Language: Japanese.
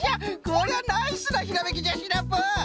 こりゃナイスなひらめきじゃシナプー！